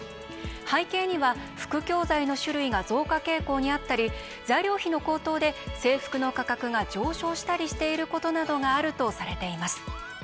背景には副教材の種類が増加傾向にあったり材料費の高騰で制服の価格が上昇したりしていることなどがあるとされています。